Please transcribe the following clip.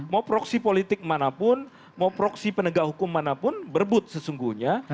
mau proksi politik manapun mau proksi penegak hukum manapun berebut sesungguhnya